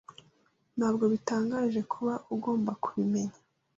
Ntabwo bitangaje kuba ugomba kubimenya.